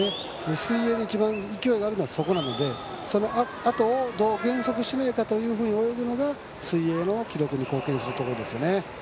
水泳で一番勢いがあるのはそこなのでそのあとをどう減速しないように泳ぐのかが水泳の記録に貢献するところですね。